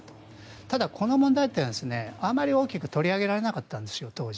ただ、この問題点はあまり大きく取り上げられなかったんです。